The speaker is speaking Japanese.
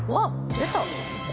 出た！